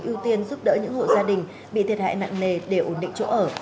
ưu tiên giúp đỡ những hộ gia đình bị thiệt hại nặng nề để ổn định chỗ ở